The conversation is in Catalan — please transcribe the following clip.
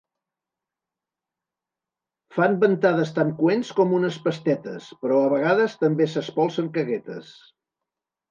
Fan ventades tan coents com unes pestetes, però a vegades també s'espolsen caguetes.